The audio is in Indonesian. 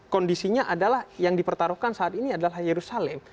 kondisinya adalah yang dipertaruhkan saat ini adalah yerusalem